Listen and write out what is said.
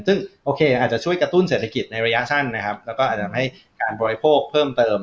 ซึ่งโอเคอาจจะช่วยกระตุ้นเศรษฐกิจในระยะสั้นนะครับแล้วก็อาจจะทำให้การบริโภคเพิ่มเติม